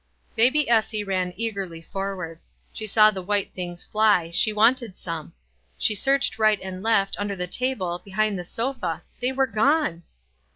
Baby Essie ran eagerly forward. She saw the white things fly; she wanted some. She searched right and left, under the table, behind the sofa — they were gone